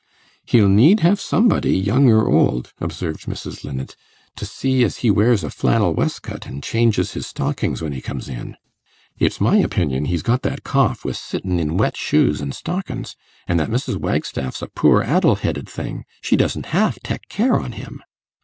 'He'd need have somebody, young or old,' observed Mrs. Linnet, 'to see as he wears a flannel wescoat, an' changes his stockins when he comes in. It's my opinion he's got that cough wi' sittin i' wet shoes and stockins; an' that Mrs. Wagstaff's a poor addle headed thing; she doesn't half tek care on him.